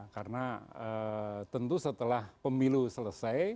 karena tentu setelah pemilu selesai